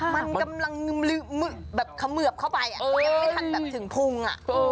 มันกำลังแบบเขมือบเข้าไปยังไม่ทันแบบถึงพุง